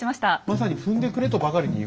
まさに踏んでくれとばかりに。